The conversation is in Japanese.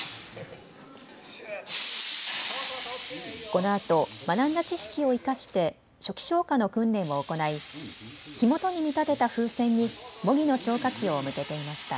このあと学んだ知識を生かして初期消火の訓練を行い、火元に見立てた風船に模擬の消火器を向けていました。